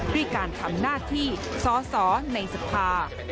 พรีการทำหน้าที่สอในสภา